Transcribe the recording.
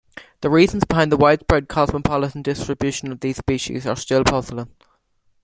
The reasons behind the widespread, cosmopolitan distribution of these species, are still puzzling.